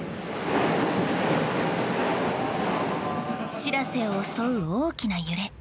「しらせ」を襲う大きな揺れ。